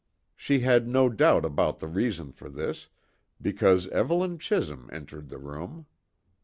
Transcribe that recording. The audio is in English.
She had no doubt about the reason for this, because Evelyn Chisholm entered the room.